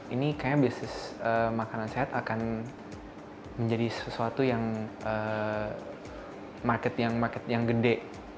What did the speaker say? ini kayaknya bisnis makanan sehat akan menjadi sesuatu yang market yang gede